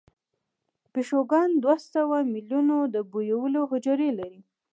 پیشوګان دوه سوه میلیونه د بویولو حجرې لري.